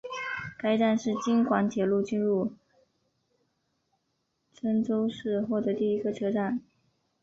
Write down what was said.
该站是京广铁路进入郴州市后的第一个车站。